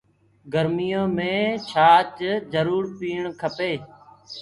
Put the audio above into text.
گرميو مي ڇآچ جرور پيٚڻي کپي۔